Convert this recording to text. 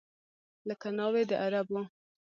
لکه ناوې د عربو